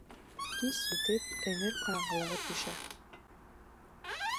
Кис етеп, эңер ҡараңғылығы төшә.